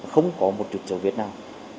không có một trụt dấu viết nào